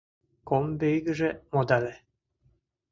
Комбигыже модале.